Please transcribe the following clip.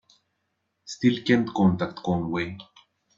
Still can't contact Conway.